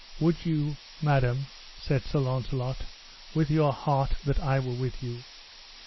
Would ye, madam, said Sir Launcelot, with your heart that I were with you?